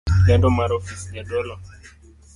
Lendo mar ofis jadolo